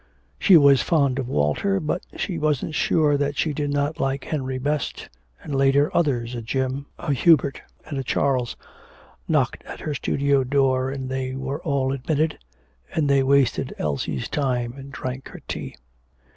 She was fond of Walter, but she wasn't sure that she did not like Henry best, and later, others a Jim, a Hubert, and a Charles knocked at her studio door, and they were all admitted, and they wasted Elsie's time and drank her tea.